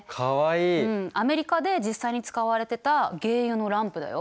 アメリカで実際に使われてた鯨油のランプだよ。